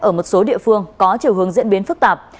ở một số địa phương có chiều hướng diễn biến phức tạp